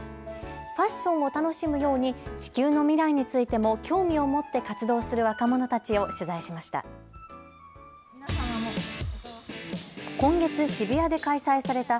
ファッションを楽しむように地球の未来についても興味を持って活動する若者たちを取材しました。